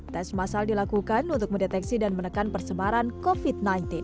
tes masal dilakukan untuk mendeteksi dan menekan persebaran covid sembilan belas